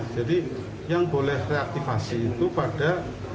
jadi yang boleh reaktivasi itu pada